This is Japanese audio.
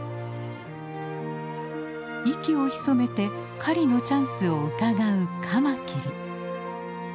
息をひそめて狩りのチャンスをうかがうカマキリ。